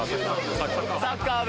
サッカー部。